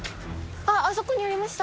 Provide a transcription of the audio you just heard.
あそこにありました。